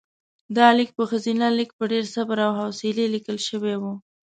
دا لیک په ښځینه لیک په ډېر صبر او حوصلې لیکل شوی و.